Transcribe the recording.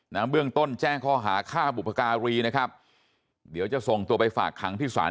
เบื้องต้นแจ้งข้อหาฆ่าบุพการีนะครับเดี๋ยวจะส่งตัวไปฝากขังที่ศาล